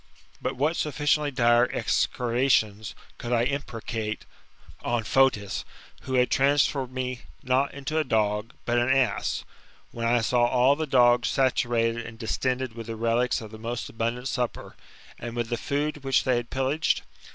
But what sufficiently dire execrations could I imprecate on Fotis, who had transformed me not into a dog, but an ass, when I saw all the dogs saturated and distended with the relics of the most abundant supper, and with the food which they had pillaged?